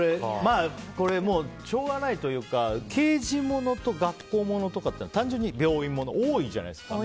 しょうがないというか刑事ものと学校ものとか病院ものとか単純に多いじゃないですか。